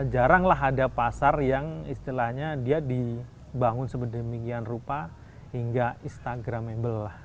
jaranglah ada pasar yang istilahnya dia dibangun sebeda beda rupa hingga instagramable